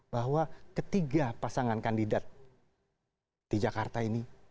bahwa ketiga pasangan kandidat di jakarta ini